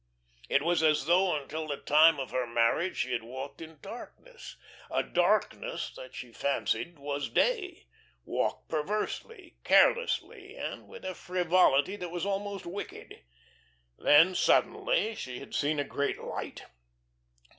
It was as though until the time of her marriage she had walked in darkness, a darkness that she fancied was day; walked perversely, carelessly, and with a frivolity that was almost wicked. Then, suddenly, she had seen a great light.